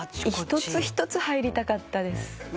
一つ一つ入りたかったです。